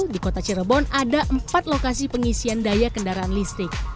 di kota cirebon ada empat lokasi pengisian daya kendaraan listrik